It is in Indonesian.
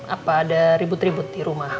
apa ada ribut ribut di rumah